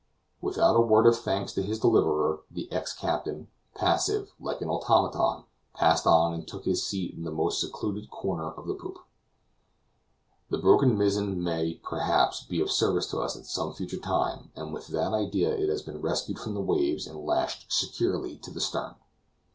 Without a word of thanks to his deliverer, the ex captain, passive, like an automaton, passed on and took his seat in the most secluded corner of the poop. The broken mizzen may, perhaps, be of service to us at some future time, and with that idea it has been rescued from the waves and lashed securely to the stern.